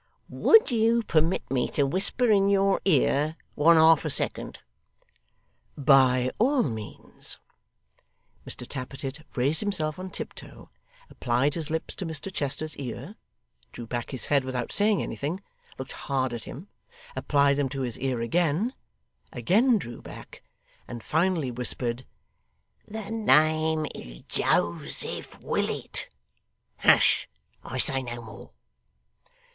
Would you permit me to whisper in your ear, one half a second?' 'By all means.' Mr Tappertit raised himself on tiptoe, applied his lips to Mr Chester's ear, drew back his head without saying anything, looked hard at him, applied them to his ear again, again drew back, and finally whispered 'The name is Joseph Willet. Hush! I say no more.